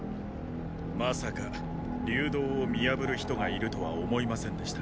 まさか“流動”を見破る人がいるとは思いませんでした。